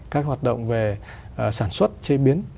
các hoạt động về sản xuất chế biến